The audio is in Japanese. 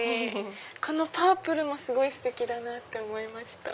このパープルもすごいステキだなと思いました。